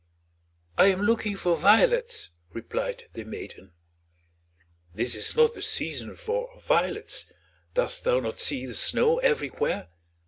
"I am looking for violets," replied the maiden. "This is not the season for violets; dost thou not see the snow everywhere?"